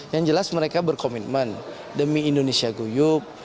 yang jelas mereka berkomitmen demi indonesia guyup